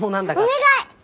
お願い！